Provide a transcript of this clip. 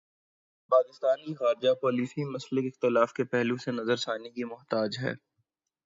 پاکستان کی خارجہ پالیسی مسلکی اختلاف کے پہلو سے نظر ثانی کی محتاج ہے۔